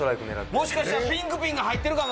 もしかしたらピンクピンが入ってるかも。